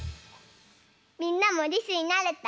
みんなもりすになれた？